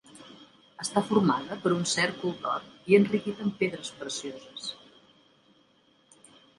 Està formada per un cèrcol d'or i enriquit amb pedres precioses.